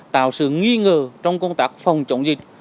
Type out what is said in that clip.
tạo sự nghi ngờ trong công tác phòng chống dịch